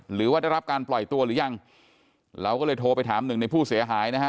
หรือว่าได้รับการปล่อยตัวหรือยังเราก็เลยโทรไปถามหนึ่งในผู้เสียหายนะฮะ